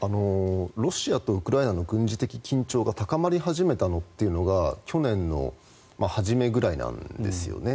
ロシアとウクライナの軍事的緊張が高まり始めたのっていうのが去年の初めぐらいなんですよね。